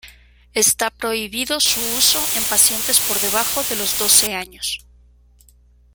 Está prohibido su uso en pacientes por debajo de los doce años.